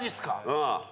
うん。